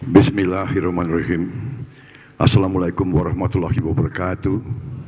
bismillahirrahmanirrahim assalamu alaikum warahmatullahi wabarakatuh